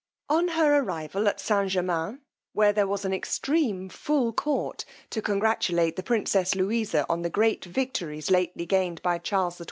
On her arrival at St. Germains, where there was an extreme full court to congratulate the princess Louisa, on the great victories lately gained by Charles XII.